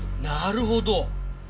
なるほど。